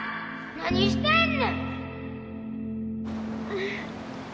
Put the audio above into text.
何してんねん！